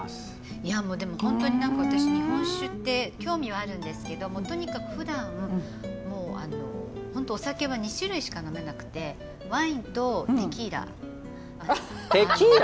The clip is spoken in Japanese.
いやもうでも本当に何か私日本酒って興味はあるんですけどもうとにかくふだん本当お酒は２種類しか呑めなくてワインとテキーラ。